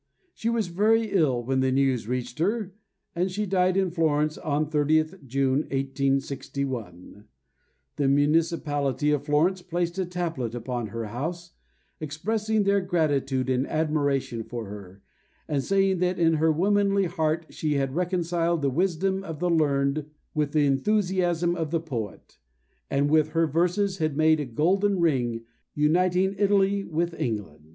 She was very ill when the news reached her, and she died in Florence on 30th June 1861. The municipality of Florence placed a tablet upon her house expressing their gratitude and admiration for her, and saying that in her womanly heart she had reconciled the wisdom of the learned with the enthusiasm of the poet, and with her verses had made a golden ring uniting Italy with England.